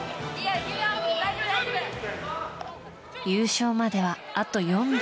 優勝まではあと４秒。